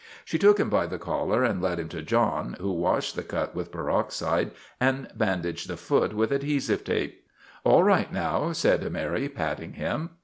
She took him by the collar and led him to John, who washed the cut with peroxide and bandaged the foot with adhesive tape. " All right now/' said Mary, patting him.